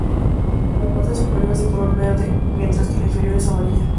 La parte superior es de color verde, mientras que la inferior es amarilla.